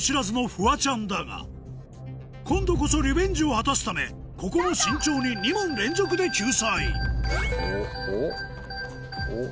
フワちゃんだが今度こそリベンジを果たすためここも慎重に２問連続で救済おっおっ。